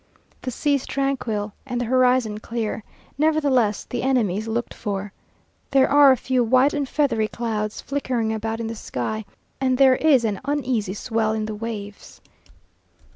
The sea is tranquil and the horizon clear, nevertheless the enemy is looked for. There are a few white and feathery clouds flickering about in the sky, and there is an uneasy swell in the waves....